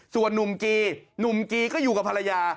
ส่วนนุ่มกีหนุ่มกีก็อยู่กับภรรยา